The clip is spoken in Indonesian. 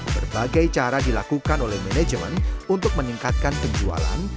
berbagai cara dilakukan oleh manajemen untuk meningkatkan penjualan